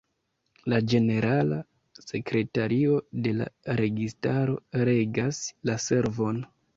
La ĝenerala sekretario de la registaro regas la servon.